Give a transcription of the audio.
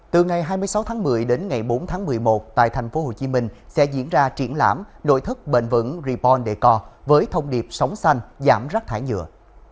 từ ngày hai mươi sáu tháng một mươi đến ngày bốn tháng một mươi một tại tp hcm sẽ diễn ra triển lãm nội thức bền vững reborn decor với thông điệp sống xanh giảm rác thải nhựa